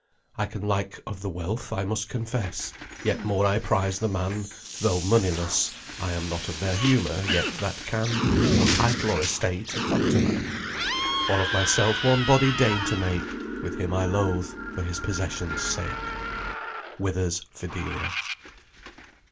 "I can like of the wealth, I must confess, Yet more I prize the man, though moneyless; I am not of their humour yet that can For title or estate affect a man; Or of myself one body deign to make With him I loathe, for his possessions' sake." WITHER'S "FIDELIA."